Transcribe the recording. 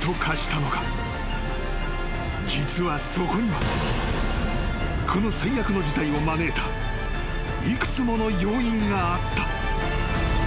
［実はそこにはこの最悪の事態を招いた幾つもの要因があった］